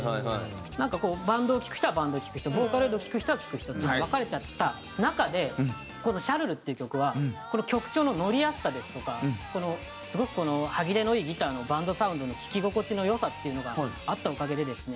なんかこうバンドを聴く人はバンドを聴く人ボーカロイドを聴く人は聴く人っていう風に分かれちゃった中でこの『シャルル』っていう曲はこの曲調の乗りやすさですとかすごくこの歯切れのいいギターのバンドサウンドの聴き心地の良さっていうのがあったおかげでですね